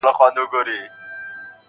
بدرګه را سره ستوري وړمهیاره-